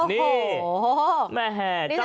นี่แม่แห่เจ้าสาว